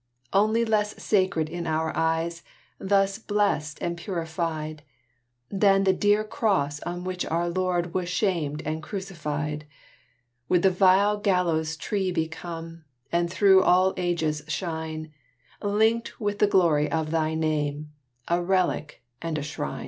Only less sacred in our eyes, Thus blest and purified, Than the dear cross on which our Lord Was shamed and crucified, Would the vile gallows tree become, And through all ages shine, Linked with the glory of thy name, A relic and a shrine!